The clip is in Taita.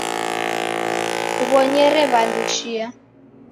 Kuw'onyere w'andu chia.